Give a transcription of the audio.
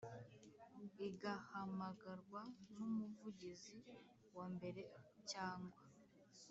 Igahamagarwa n umuvugizi wa mbere cyangwa